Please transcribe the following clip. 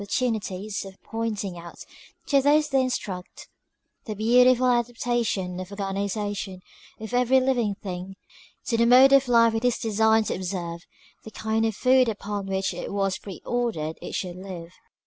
tunities of pointing out to those they instruct, the beautiful adaptation of the organization of every living thing, to tlie mode of life it is designed to observe, and the kind of food upon which it was pre ordered it should live.